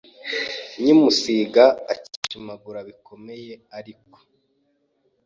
nyimusiga, akishimagura bikomeye ariko